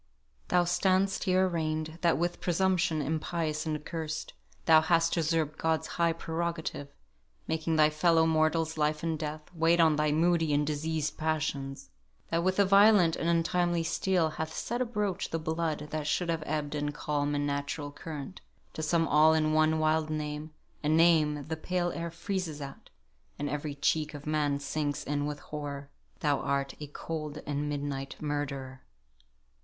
"Thou stand'st here arraign'd, That, with presumption impious and accursed, Thou hast usurp'd God's high prerogative, Making thy fellow mortal's life and death Wait on thy moody and diseased passions; That with a violent and untimely steel Hast set abroach the blood that should have ebbed In calm and natural current: to sum all In one wild name a name the pale air freezes at, And every cheek of man sinks in with horror Thou art a cold and midnight murderer."